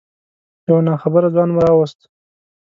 یو ناخبره ځوان مو راوست.